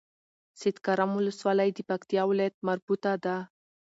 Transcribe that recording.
سيدکرم ولسوالۍ د پکتيا ولايت مربوطه ده